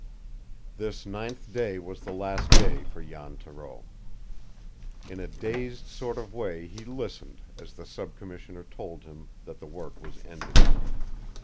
This ninth day was the last day for Jan Thoreau. In a dazed sort of way he listened as the sub commissioner told him that the work was ended.